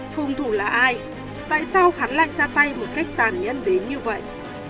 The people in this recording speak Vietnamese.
hung thủ là ai tại sao hắn lại ra tay một cách tàn nhân đến như vậy